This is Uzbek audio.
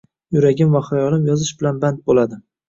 Yuragim va xayolim yozish bilan band bo‘ladi